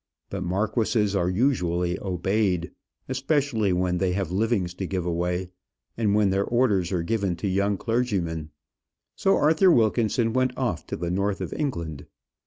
But marquises are usually obeyed; especially when they have livings to give away, and when their orders are given to young clergymen. So Arthur Wilkinson went off to the north of England.